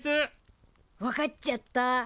わかっちゃった。